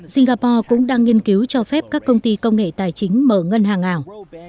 singapore cũng đang nghiên cứu cho phép các công ty công nghệ tài chính mở ngân hàng ảo